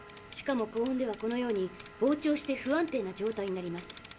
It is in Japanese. しかも高温ではこのように膨張して不安定な状態になります。